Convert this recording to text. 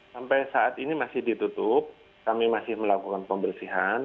sampai saat ini masih ditutup kami masih melakukan pembersihan